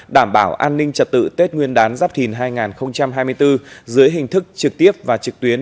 đảm bảo an ninh trật tự tết nguyên đán giáp thìn hai nghìn hai mươi bốn dưới hình thức trực tiếp và trực tuyến